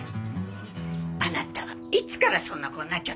あなたはいつからそんな子になっちゃったのかしらね。